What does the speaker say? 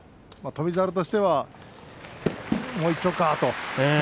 翔猿としては、もう一丁か。